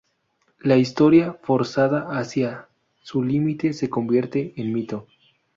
La historia forzada hacia su límite se convierte en mito.